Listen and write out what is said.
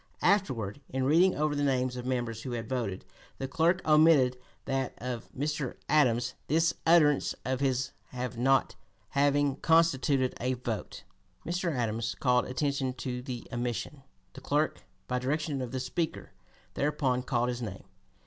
'" Afterward, in reading over the names of members who had voted, the clerk omitted that of Mr. Adams, this utterance of his not having constituted a vote. Mr. Adams called attention to the omission. The clerk, by direction of the Speaker, thereupon called his name.